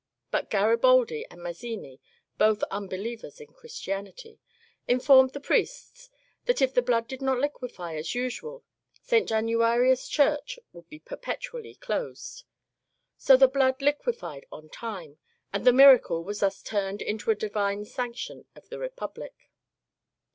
But Garibaldi and Mazzini (both unbelievers in Christianity) informed the priests that if the blood did not liquefy as usual St. Januarius church would be perpetually closed. So the blood liquefied on time, and the miracle was thus turned into a divine sanction of the Be public.